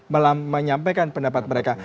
yang tepat buat ya menyampaikan pendapat mereka